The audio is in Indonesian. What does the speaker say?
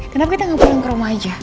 kenapa kita nggak pulang ke rumah aja